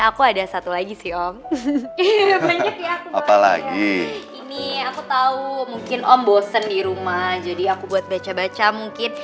aku ada satu lagi sih om banyak ya apalagi ini aku tahu mungkin om bosen di rumah jadi aku buat baca baca mungkin